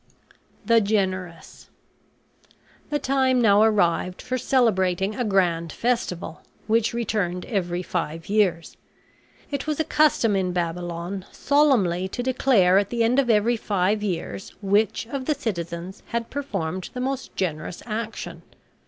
THE GENEROUS The time now arrived for celebrating a grand festival, which returned every five years. It was a custom in Babylon solemnly to declare at the end of every five years which of the citizens had performed the most generous action.